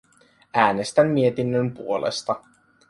Äänestän mietinnön puolesta.